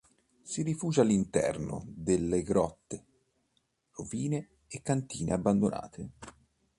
Si rifugia all'interno delle grotte, rovine e cantine abbandonate.